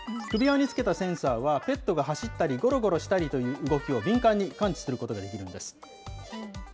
首輪に付けたセンサーは、ペットが走ったり、ごろごろしたりという動きを敏感に感知することができるんです。